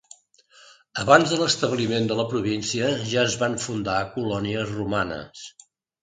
Abans de l'establiment de la província ja es van fundar colònies romanes.